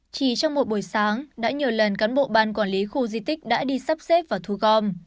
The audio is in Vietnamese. chỉ trong một buổi sáng đã nhiều lần cán bộ ban quản lý khu di tích đã đi sắp xếp và thu gom